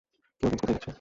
Cadence, কোথায় যাচ্ছো?